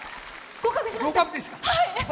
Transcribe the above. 合格ですか。